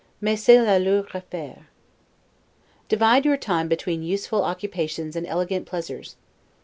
'Mais c'est la leur affaire'. Divide your time between useful occupations and elegant pleasures.